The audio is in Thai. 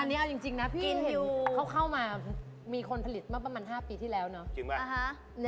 อันนี้เอาจริงนะพี่อินทิวเขาเข้ามามีคนผลิตเมื่อประมาณ๕ปีที่แล้วเนาะ